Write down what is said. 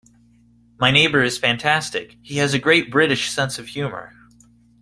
My neighbour is fantastic; he has a great British sense of humour.